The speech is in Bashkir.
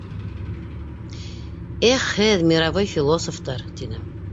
— Эх һеҙ, мировой философтар! —тине.